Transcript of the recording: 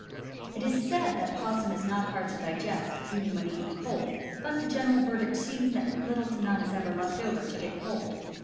It is said that possum is not hard to digest even when eaten cold; but the general verdict seems to be that none is ever left over to get cold.